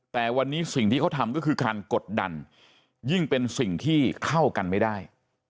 แต่วันนี้สิ่งที่เขาทำก็คือการกดดันยิ่งเป็นสิ่งที่เข้ากันไม่ได้